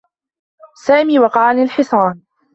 سامي وقع عن الحصان.